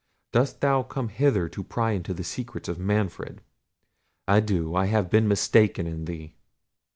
Dost thou come hither to pry into the secrets of Manfred? Adieu. I have been mistaken in thee."